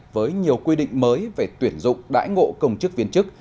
với nhiều quy định mới về tuyển dụng đãi ngộ công chức viên chức